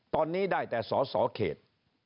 ตอนนี้ได้แต่สอสอเขต